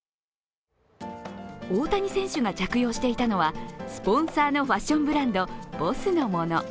大谷選手が着用していたのはスポンサーのファッションブランド、ＢＯＳＳのもの。